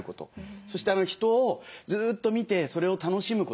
そして人をずっと見てそれを楽しむこと。